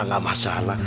nah gak masalah